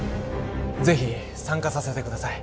ぜひ参加させてください